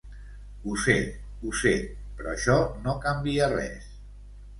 Ho sé, ho sé, però això no canvia res.